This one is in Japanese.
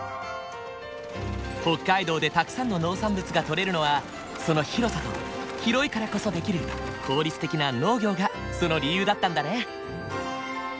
北海道でたくさんの農産物がとれるのはその広さと広いからこそできる効率的な農業がその理由だったんだね。